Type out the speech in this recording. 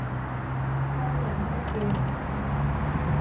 真人真事